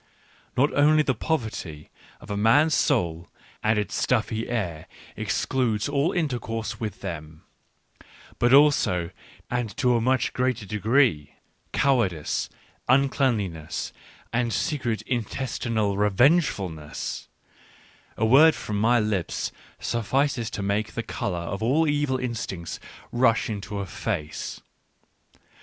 Not only the poverty of a man's soul and its stuffy air excludes all intercourse with them, but also, and to a much greater degree, cowardice, uncleanliness, and secret intestinal re vengefulness ; a word from my lips suffices to make the colour of all evil instincts rush into a face.